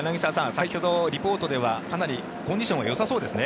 先ほどリポートではかなりコンディションはよさそうですね。